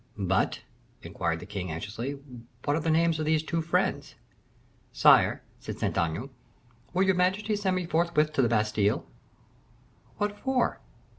"But," inquired the king, anxiously, "what are the names of these two friends?" "Sire," said Saint Aignan, "will your majesty send me forthwith to the Bastile?" "What for?"